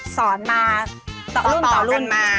สอนมาต่อรุ่นมา